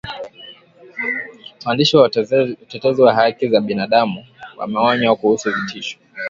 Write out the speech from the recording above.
waandishi na watetezi wa haki za binadamu wameonya kuhusu vitisho